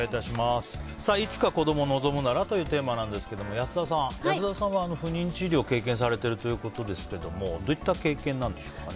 いつか子供を望むならというテーマですが安田さんは不妊治療を経験されてるということですがどういった経験なんでしょうか。